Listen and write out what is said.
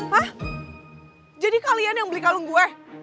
hah jadi kalian yang beli kalung gue